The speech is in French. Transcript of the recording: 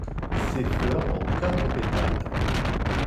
Ses fleurs ont quatre pétales.